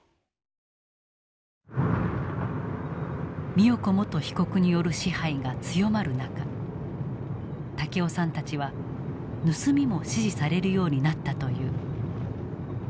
美代子元被告による支配が強まる中武雄さんたちは盗みも指示されるようになったという。